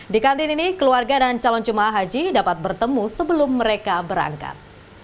di kantin ini keluarga dan calon jemaah haji dapat bertemu sebelum mereka berangkat